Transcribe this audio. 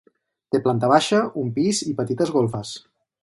Té planta baixa, un pis i petites golfes.